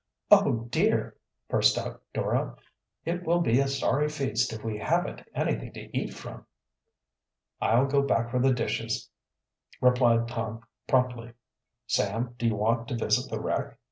"Oh, dear!" burst out Dora. "It will be a sorry feast if we haven't anything to eat from!" "I'll go back for the dishes," replied Tom promptly. "Sam, do you want to visit the wreck?